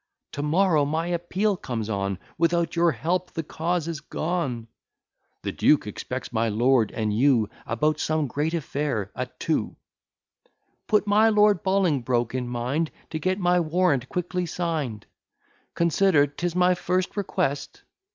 "To morrow my appeal comes on; Without your help, the cause is gone " "The duke expects my lord and you, About some great affair, at two " "Put my Lord Bolingbroke in mind, To get my warrant quickly sign'd: Consider, 'tis my first request."